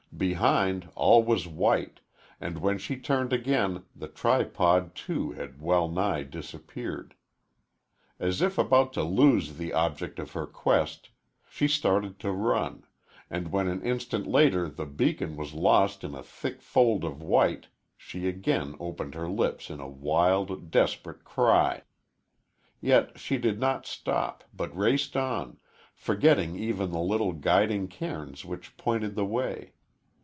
Behind, all was white, and when she turned again the tripod too had well nigh disappeared. As if about to lose the object of her quest, she started to run, and when an instant later the beacon was lost in a thick fold of white she again opened her lips in a wild despairing cry. Yet she did not stop, but raced on, forgetting even the little guiding cairns which pointed the way.